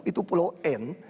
itu pulau n